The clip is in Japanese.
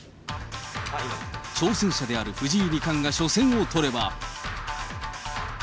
挑戦者である藤井二冠が初戦を採れば。